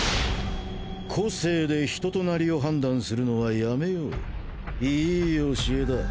「個性でひととなりを判断するのはやめよう」良い教えだ。